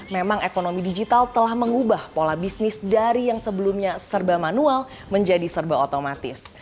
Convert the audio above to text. memang ekonomi digital telah mengubah pola bisnis dari yang sebelumnya serba manual menjadi serba otomatis